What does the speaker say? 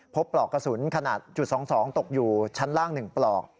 ปลอกกระสุนขนาดจุด๒๒ตกอยู่ชั้นล่าง๑ปลอก